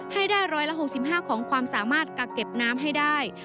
ให้ได้๑๖๕ของความสามารถกักเก็บน้ำให้ได้